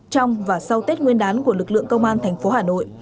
trong và sau tết nguyên đán của lực lượng công an thành phố hà nội